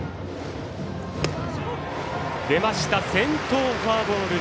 出ました、先頭フォアボール。